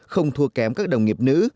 không thua kém các đồng nghiệp nữ